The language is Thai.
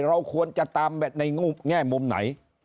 เราควรจะตามในแง่มุมไหน